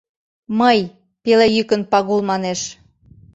— Мый, — пеле йӱкын Пагул манеш.